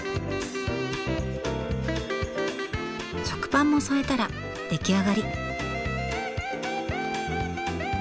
食パンも添えたら出来上がり。